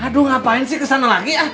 aduh ngapain sih kesana lagi ya